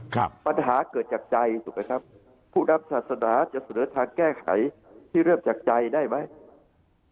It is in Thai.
ปัญหาเกิดจากใจถูกไหมครับผู้รับศาสนาจะเสนอทางแก้ไขที่เริ่มจากใจได้ไหม